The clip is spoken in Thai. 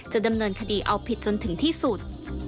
ดำเนินคดีเอาผิดจนถึงที่สุด